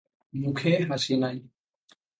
মুখে হাসি নাই।